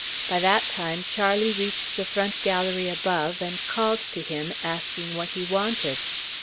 By that time Charlie reached the front gallery above, and called to him, asking what he wanted.